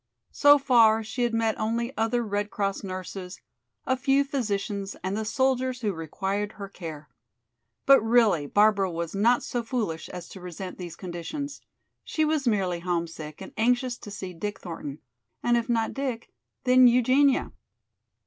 So far she had met only other Red Cross nurses, a few physicians and the soldiers who required her care. But really Barbara was not so foolish as to resent these conditions; she was merely homesick and anxious to see Dick Thornton, and if not Dick, then Eugenia.